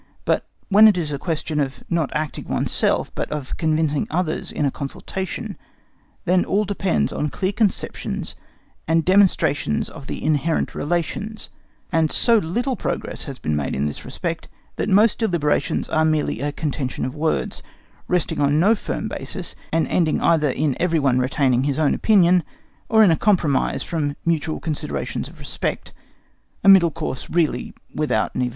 But when it is a question, not of acting oneself, but of convincing others in a consultation, then all depends on clear conceptions and demonstration of the inherent relations, and so little progress has been made in this respect that most deliberations are merely a contention of words, resting on no firm basis, and ending either in every one retaining his own opinion, or in a compromise from mutual considerations of respect, a middle course really without any value.